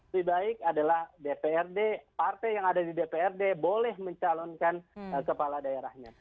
lebih baik adalah dprd partai yang ada di dprd boleh mencalonkan kepala daerahnya